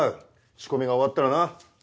仕込みが終わったらな。